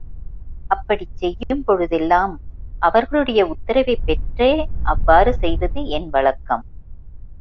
அப்படிச் செய்யும் பொழுதெல்லாம், அவர்களுடைய உத்தரவைப் பெற்றே அவ்வாறு செய்வது என் வழக்கம்.